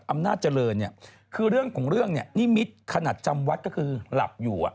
อำนาจเจริญเนี่ยคือเรื่องของเรื่องเนี่ยนิมิตรขนาดจำวัดก็คือหลับอยู่